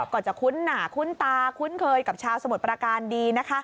ก็จะคุ้นหนาคุ้นตาคุ้นเคยกับชาวสมุทรประการดีนะคะ